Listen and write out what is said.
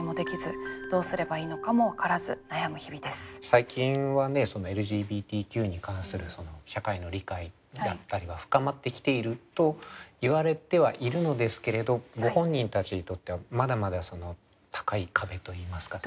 最近はねＬＧＢＴＱに関する社会の理解だったりは深まってきているといわれてはいるのですけれどご本人たちにとってはまだまだ高い壁といいますか。